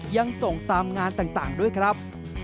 ยังส่งตามงานต่างด้วยครับ